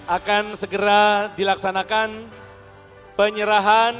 akan segera dilaksanakan penyerahan